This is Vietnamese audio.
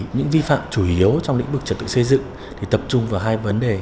những vi phạm chủ yếu trong lĩnh vực trật tự xây dựng thì tập trung vào hai vấn đề